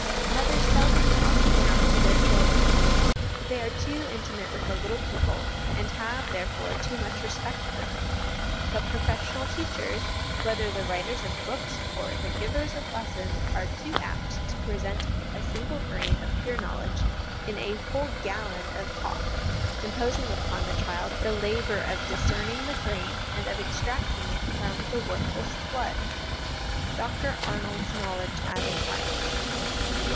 Mothers seldom talk down to their children ; they are too intimate with the little people, and have, therefore, too much respect for them : but professional teachers, whether the writers of books or the givers of lessons, are too apt to present a single grain of pure knowledge in a whole gallon of talk, imposing upon the child the labour of discerning the grain and of extracting it from the worthless flood. Dr Arnold's Knowledge as a Child.